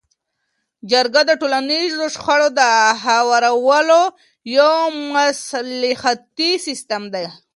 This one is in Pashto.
جرګه د ټولنیزو شخړو د هوارولو یو مصلحتي سیستم دی.